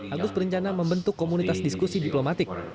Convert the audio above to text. agus berencana membentuk komunitas diskusi diplomatik